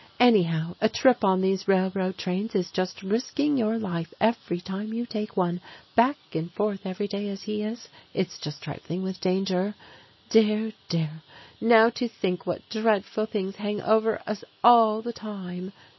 Anyhow, a trip on these railroad trains is just risking your life every time you take one. Back and forth every day as he is, it's just trifling with danger. Dear! dear! now to think what dreadful things hang over us all the time!